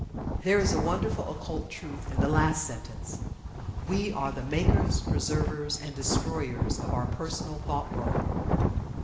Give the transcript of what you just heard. There is a wonderful occult truth in the last sentence. We are the makers, preservers, and destroyers of our personal thought world.